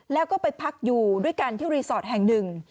แล้วก็ไปพักอยู่ด้วยกันที่รีสอร์ทแห่งหนึ่ง